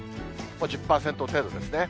１０％程度ですね。